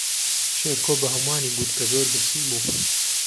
شێرکۆ بە ھەمووانی گوت کە زۆر برسی بوو.